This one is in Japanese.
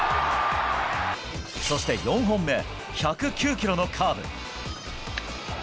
そして４本目、１０９キロのカーブ。